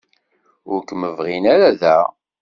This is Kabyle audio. Ur kem-bɣin ara da.